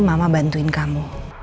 mama bantuin kamu